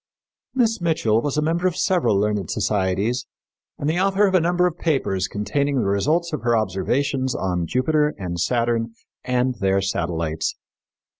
Miss Mitchell was a member of several learned societies and the author of a number of papers containing the results of her observations on Jupiter and Saturn and their satellites.